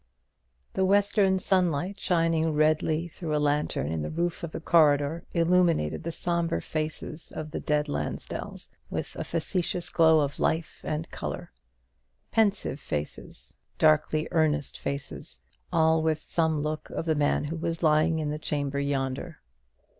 The western sunlight shining redly through a lantern in the roof of the corridor illumined the sombre faces of the dead Lansdells with a factitious glow of life and colour; pensive faces, darkly earnest faces all with some look of the man who was lying in the chamber yonder.